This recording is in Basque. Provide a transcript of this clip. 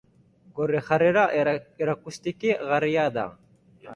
Gure jarrera erakusteko garaia da.